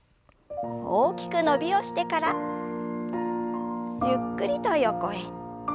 大きく伸びをしてからゆっくりと横へ。